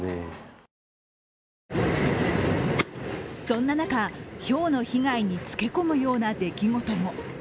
そんな中、ひょうの被害につけ込むような出来事も。